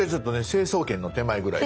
成層圏の手前ぐらい。